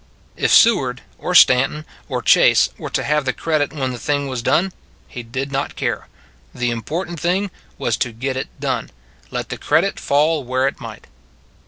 If Seward or Stanton or Chase were to have the credit when the thing was done, he did not care. The important thing was to get it done, let the credit fall where it might.